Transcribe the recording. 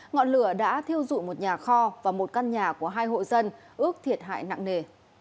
ngọn lửa đã thiêu dụi một nhà kho và một căn nhà của hai hộ dân ước thiệt hại nặng nề